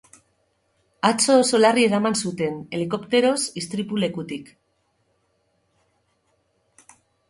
Atzo oso larri eraman zuten, helikopteroz, istripu lekutik.